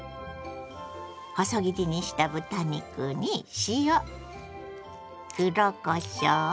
細切りにした豚肉に塩黒こしょう。